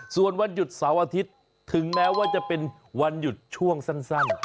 ส่วนวันหยุดเสาร์อาทิตย์ถึงแม้ว่าจะเป็นวันหยุดช่วงสั้น